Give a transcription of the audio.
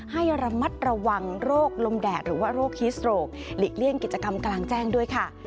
ให้ระมัดระวังโรคลมแดดหรือว่าโรคฮิสโตรกหลีกเลี่ยงกิจกรรมกลางแจ้งด้วยค่ะ